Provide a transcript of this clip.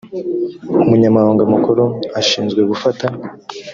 umunyamabanga mukuru ashinzwe gufata